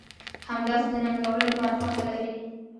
همداسې د ننګولو لپاره خوښه لرئ.